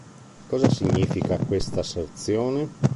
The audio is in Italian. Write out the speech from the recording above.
Cosa significa quest'asserzione?